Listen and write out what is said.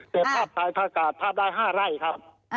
แต่ภาพถ่ายผ้ากาดภาพได้๕ไร่ครับ